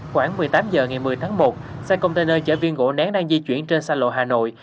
khoảng một mươi tám h ngày một mươi tháng một xe container chở viên gỗ nén đang di chuyển trên xa lộ hà nội